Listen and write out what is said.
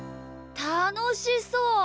たのしそう。